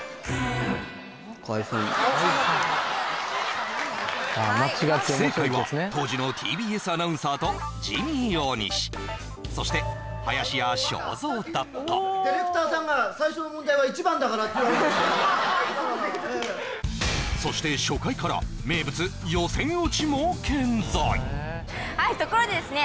海部さん不正解は当時のＴＢＳアナウンサーとジミー大西そして林家正蔵だったディレクターさんが最初の問題は１番だからって言われましてそして初回から名物健在はいところでですね